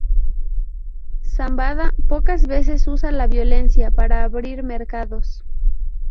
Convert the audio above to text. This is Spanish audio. Zambada pocas veces usa la violencia para abrir mercados.